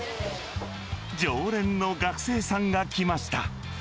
常連の学生さんが来ました。